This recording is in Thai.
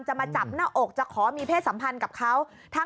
มาจับหน้าอกจะขอมีเพศสัมพันธ์กับเขา